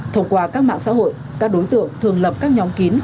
thông qua các mạng xã hội các đối tượng thường lập các nhóm kín